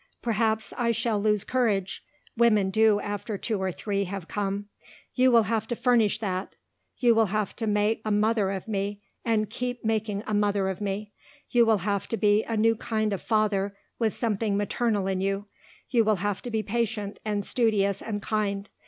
Perhaps I shall lose courage. Women do after two or three have come. You will have to furnish that. You will have to make a mother of me and keep making a mother of me. You will have to be a new kind of father with something maternal in you. You will have to be patient and studious and kind.